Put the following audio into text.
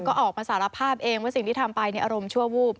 ก็ออกมาสารภาพเองว่าสิ่งที่ทำไปอารมณ์ชั่ววูบ